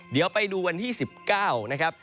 เดี๋ยวไปดูวันที่๑๙นะครับ